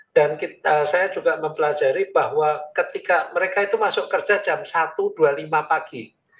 dan saya juga mempelajari bahwa ketika mereka itu masuk kerja jam satu dua puluh lima pagi